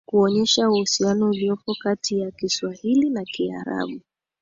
kuonesha uhusiano uliopo katiya Kiswahili na Kiarabu